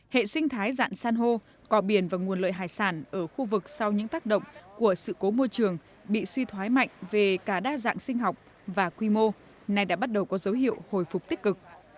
hệ sinh thái dạng san hô cò biển và nguồn lợi hải sản ở khu vực sau những tác động của sự cố môi trường bị suy thoái mạnh về cả đa dạng sinh học và quy mô nay đã bắt đầu có dấu hiệu hồi phục tích cực